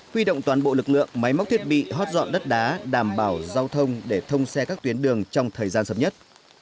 huy động toàn bộ lực lượng máy móc thiết bị hót dọn đất đá đảm bảo giao thông để thông xe các tuyến đường trong thời gian sớm nhất